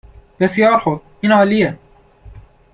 بسیار خوب، این عالیه.